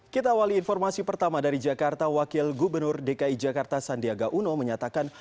kita awali informasi pertama dari jakarta wakil gubernur dki jakarta sandiaga uno menyatakan